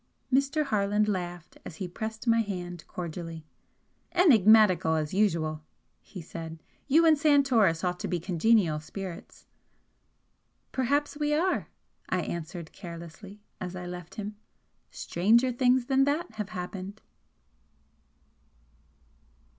Mr. Harland laughed as he pressed my hand cordially. "Enigmatical, as usual!" he said "You and Santoris ought to be congenial spirits!" "Perhaps we are!" I answered, carelessly, as I left him; "Stranger things than that have happened!"